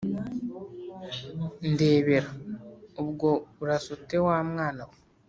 ndebera, ubwo urasa ute wa mwana we